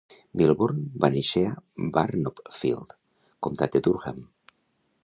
Milburn va néixer a Burnopfield, Comtat de Durham.